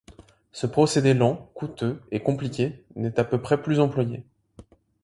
Ce procédé, lent, coûteux et compliqué, n'est à peu près plus employé.